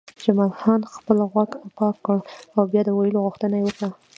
جمال خان خپل غوږ پاک کړ او د بیا ویلو غوښتنه یې وکړه